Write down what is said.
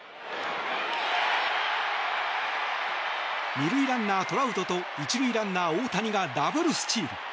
２塁ランナー、トラウトと１塁ランナー、大谷がダブルスチール。